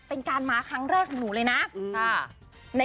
เป็นการมาครั้งแรกของหนูเลยนะ